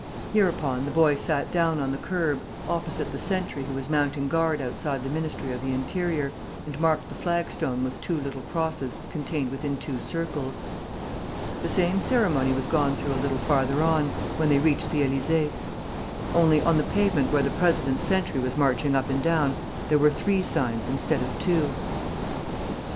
Hereupon, the boy sat down on the kerb, opposite the sentry who was mounting guard outside the Ministry of the Interior, and marked the flagstone with two little crosses contained within two circles. The same ceremony was gone through a little further on, when they reached the Elysée. Only, on the pavement where the President's sentry was marching up and down, there were three signs instead of two.